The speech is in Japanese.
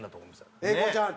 英孝ちゃん